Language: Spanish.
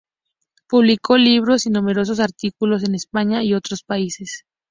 Publicó libros y numerosos artículos en España y otros países.